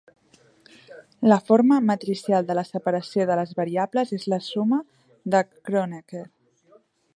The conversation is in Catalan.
La forma matricial de la separació de les variables és la suma de Kronecker.